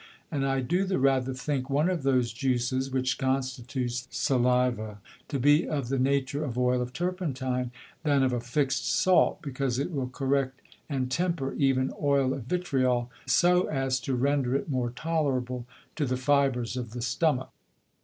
And I do the rather think one of those Juices, which constitute the Saliva, to be of the Nature of Oil of Turpentine, than of a fix'd Salt, because it will correct and temper even Oil of Vitriol, so as to render it more tolerable to the Fibres of the Stomach.